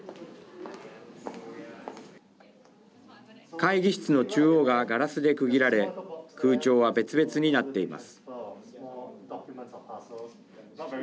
会議室の中央がガラスで区切られ空調は別々になっています。